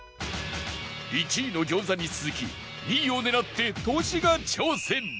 １位の餃子に続き２位を狙ってトシが挑戦